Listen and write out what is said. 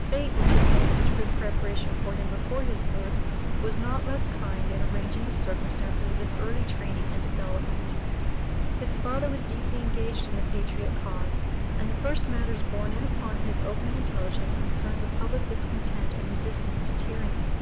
Fate, which had made such good preparation for him before his birth, was not less kind in arranging the circumstances of his early training and development. His father was deeply engaged in the patriot cause, and the first matters borne in upon his opening intelligence concerned the public discontent and resistance to tyranny.